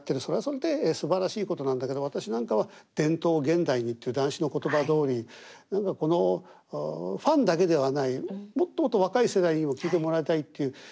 それはそれですばらしいことなんだけど私なんかは「伝統を現代に」っていう談志の言葉どおり何かこのファンだけではないもっともっと若い世代にも聴いてもらいたいっていう。